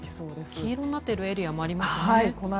黄色になっているエリアもありますね。